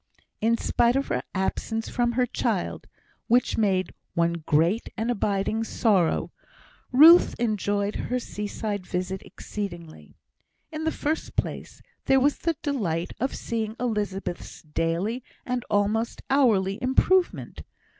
In spite of her absence from her child, which made one great and abiding sorrow, Ruth enjoyed her seaside visit exceedingly. In the first place, there was the delight of seeing Elizabeth's daily and almost hourly improvement.